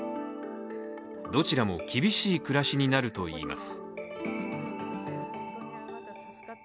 どちらも厳しい暮らしになるといいます。